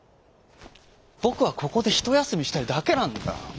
ぼくはここでひとやすみしたいだけなんだ」。